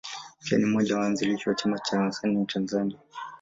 Pia ni mmoja ya waanzilishi wa Chama cha Wasanii Tanzania.